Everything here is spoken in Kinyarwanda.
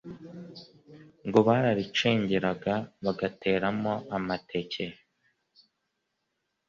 ngo bararicengeraga, bagateramo amateke